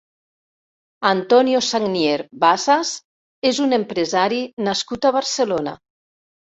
Antonio Sagnier Bassas és un empresari nascut a Barcelona.